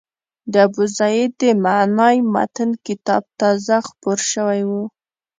د ابوزید د معنای متن کتاب تازه خپور شوی و.